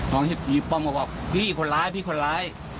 น้องที่ป้อมก็บอกพี่คนร้ายพี่คนร้าย